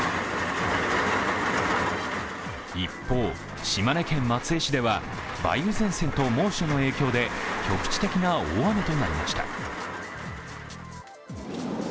一方、島根県松江市では梅雨前線と猛暑の影響で局地的な大雨となりました。